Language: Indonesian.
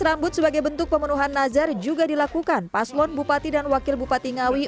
rambut sebagai bentuk pemenuhan nazar juga dilakukan paslon bupati dan wakil bupati ngawi